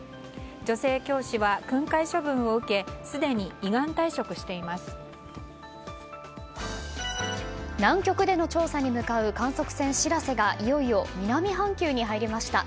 女性教師は訓戒処分を受け南極での調査に向かう観測船「しらせ」がいよいよ、南半球に入りました。